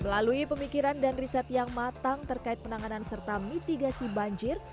melalui pemikiran dan riset yang matang terkait penanganan serta mitigasi banjir